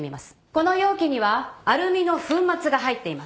この容器にはアルミの粉末が入っています。